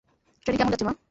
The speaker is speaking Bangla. ট্রেনিং কেমন যাচ্ছে, মা?